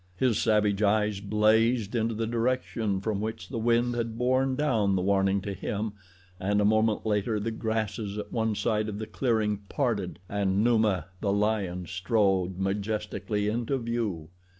His savage eyes blazed into the direction from which the wind had borne down the warning to him and a moment later the grasses at one side of the clearing parted and Numa, the lion, strode majestically into view.